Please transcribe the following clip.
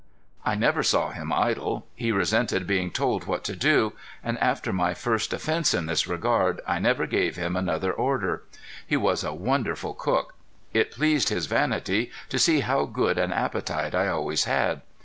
I never saw him idle. He resented being told what to do, and after my first offense in this regard I never gave him another order. He was a wonderful cook. It pleased his vanity to see how good an appetite I always had.